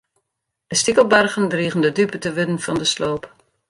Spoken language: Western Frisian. De stikelbargen drigen de dupe te wurden fan de sloop.